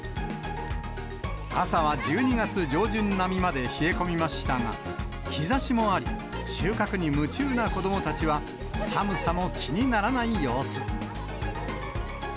朝は１２月上旬並みまで冷え込みましたが、日ざしもあり、収穫に夢中な子どもたちは、寒さも気にならない様子。